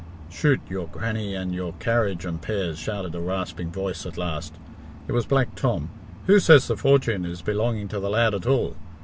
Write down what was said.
"Chut! your grannie and your carriage and pairs," shouted a rasping voice at last. It was Black Tom. "Who says the fortune is belonging to the lad at all?